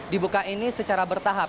dibuka ini secara bertahap